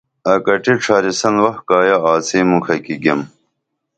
اکٹی ڇھارِسن وخ کائیہ آڅی مُکھہ کی گیم